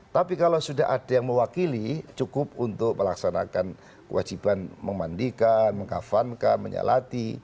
tapi kalau sudah ada yang mewakili cukup untuk melaksanakan kewajiban memandikan mengkafankan menyalati